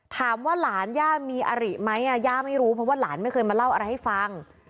ถามว่าหลานย่ามีอริไหมย่าไม่รู้เพราะว่าหลานไม่เคยมาเล่าอะไรให้ฟัง